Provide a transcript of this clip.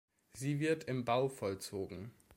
Sie wird im Bau vollzogen.